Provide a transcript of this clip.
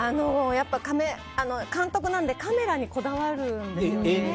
監督なので、カメラにこだわるんですよ。